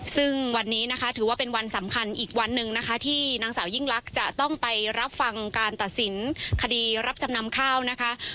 ซึ่งวันนี้นะคะถือว่าเป็นวันสำคัญอีกวันหนึ่งนะคะที่นางสาวยิ่งลักษณ์จะต้องไปรับฟังการตัดสินคดีรับจำนำข้าวนะคะ